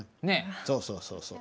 そうそうそうそう。